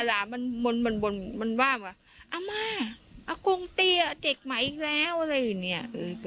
อ้าวคงเตี้ยเจ็ดไหมอีกแล้วอะไรอื่นเนี่ย